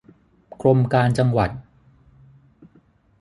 กรมการจังหวัด